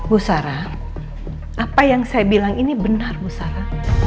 bu sarah apa yang saya bilang ini benar bu sarah